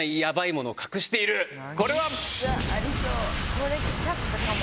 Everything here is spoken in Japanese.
これきちゃったかも。